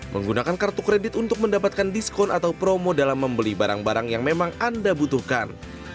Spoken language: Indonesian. menggunakan kartu kredit untuk mendapatkan diskon atau promo dalam membeli barang barang yang memang anda butuhkan